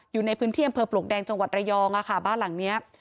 อยู่ในพื้นที่อำเภอปลวกแดงจังหวัดระยองค่ะบ้านหลังนี้